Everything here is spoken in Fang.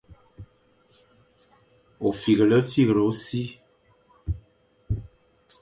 Ôfîghefîkh ô sir.